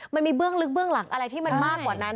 เบื้องลึกเบื้องหลังอะไรที่มันมากกว่านั้น